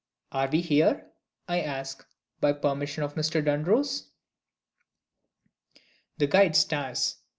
"Are we here," I ask, "by permission of Mr. Dunross?" The guide stares.